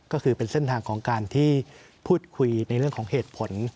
ก็คือเป็นเส้นทางของการที่พูดคุยในเรื่องของเหตุผล